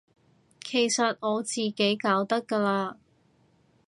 其實我自己搞得㗎喇